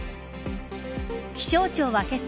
気象庁はけさ